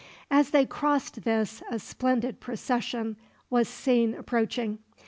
As they crossed this a splendid procession was seen approaching.